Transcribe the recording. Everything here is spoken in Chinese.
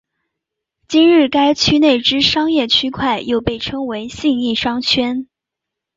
今日该区内之商业区块又常被称为信义商圈。